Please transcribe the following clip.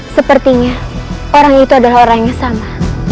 sepertinya orang itu adalah orang yang sama